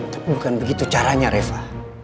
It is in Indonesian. tapi bukan begitu caranya reva